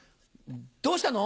どうしたの？